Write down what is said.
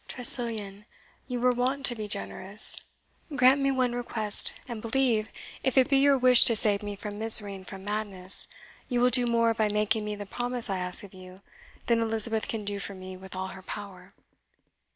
"Tressilian, you were wont to be generous. Grant me one request, and believe, if it be your wish to save me from misery and from madness, you will do more by making me the promise I ask of you, than Elizabeth can do for me with all her power."